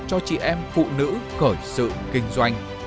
cho chị em phụ nữ khởi sự kinh doanh